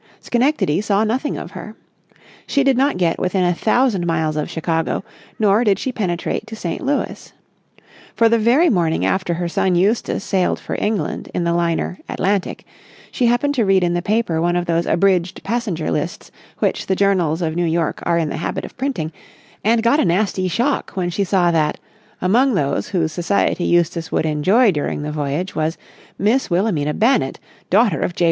Schenectady saw nothing of her. She did not get within a thousand miles of Chicago, nor did she penetrate to St. Louis. For the very morning after her son Eustace sailed for England in the liner "Atlantic," she happened to read in the paper one of those abridged passenger lists which the journals of New York are in the habit of printing, and got a nasty shock when she saw that, among those whose society Eustace would enjoy during the voyage, was "Miss Wilhelmina Bennett, daughter of J.